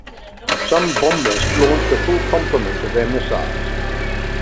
Some bombers launched a full complement of their missiles.